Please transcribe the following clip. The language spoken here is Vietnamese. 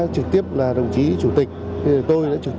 trực tiếp là đồng chí chủ tịch